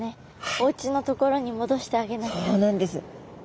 おうちの所に戻してあげなきゃ。